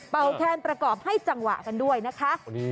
แคนประกอบให้จังหวะกันด้วยนะคะ